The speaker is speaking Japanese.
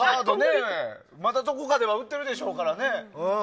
まだどこかでハードが売ってるでしょうからね。